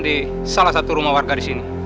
di salah satu rumah warga disini